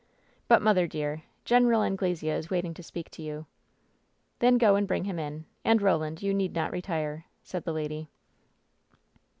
But, mother, dear, Gen. Anglesea is waiting to speak to you." "Then go and bring him in ; and, Roland, you need not retire," said the lady.